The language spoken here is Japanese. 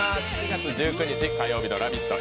４月１９日火曜日の「ラヴィット！」